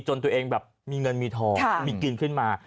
ตัวเองแบบมีเงินมีทองมีกินขึ้นมา